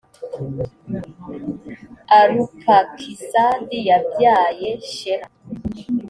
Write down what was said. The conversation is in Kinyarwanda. arupakisadi yabyaye shela.